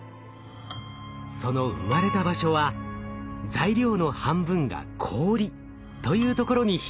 その生まれた場所は材料の半分が氷というところにヒントがあります。